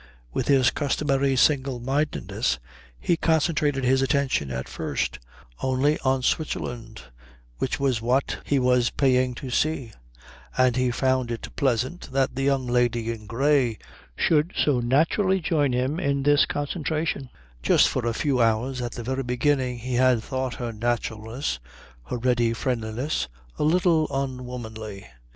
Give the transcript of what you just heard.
With his customary single mindedness he concentrated his attention at first only on Switzerland, which was what he was paying to see, and he found it pleasant that the young lady in grey should so naturally join him in this concentration. Just for a few hours at the very beginning he had thought her naturalness, her ready friendliness, a little unwomanly.